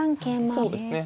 そうですね。